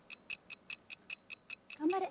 頑張れ！